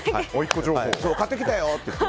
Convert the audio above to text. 買ってきたよって。